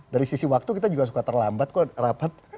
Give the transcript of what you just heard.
dari sisi waktu kita juga suka terlambat kok rapat